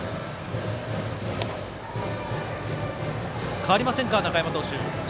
変わりませんか、中山投手。